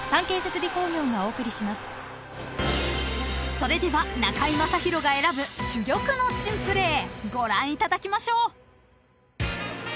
［それでは中居正広が選ぶ珠玉の珍プレーご覧いただきましょう］